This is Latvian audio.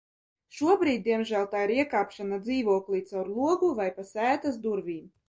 Šobrīd diemžēl tā ir iekāpšana dzīvoklī caur logu vai pa sētas durvīm.